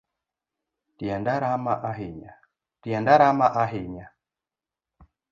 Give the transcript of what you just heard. Tienda rama ahinya